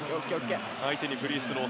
相手にフリースロー。